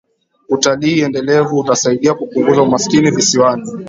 Utalii endelevu utasaidia kupunguza umasikini visiwani